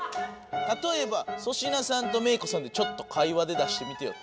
たとえば粗品さんとメイ子さんでちょっと会話で出してみてよ。